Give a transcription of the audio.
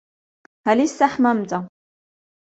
هل استحممتَ ؟